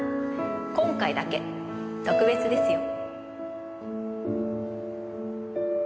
今回だけ特別ですよ。